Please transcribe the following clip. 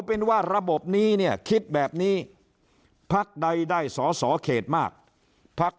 เป็นว่าระบบนี้เนี่ยคิดแบบนี้พักใดได้สอสอเขตมากพัก